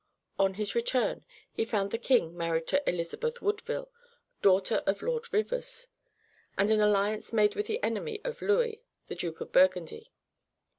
On his return he found the king married to Elizabeth Woodville, daughter of Lord Rivers, and an alliance made with the enemy of Louis, the Duke of Burgundy.